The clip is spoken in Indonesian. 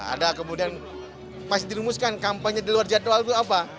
ada kemudian pas dirumuskan kampanye di luar jadwal itu apa